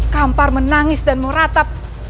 kampar menangis dan meratap